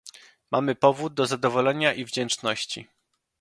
Mamy powód do zadowolenia i wdzięczności